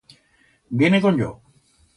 Viene con yo.